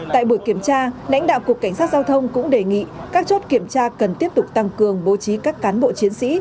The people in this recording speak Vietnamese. tại buổi kiểm tra lãnh đạo cục cảnh sát giao thông cũng đề nghị các chốt kiểm tra cần tiếp tục tăng cường bố trí các cán bộ chiến sĩ